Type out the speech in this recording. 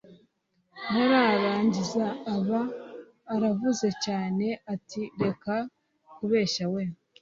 ntararangiza aba aravuze cyane ati reka kubeshya we